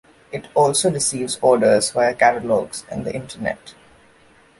It also receives orders via catalogs and the Internet.